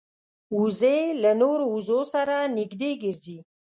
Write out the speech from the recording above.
وزې له نورو وزو سره نږدې ګرځي